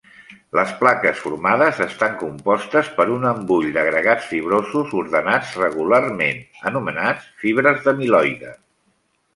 Les plaques formades estan compostes per un embull d'agregats fibrosos ordenats regularment, anomenats fibres d'amiloide.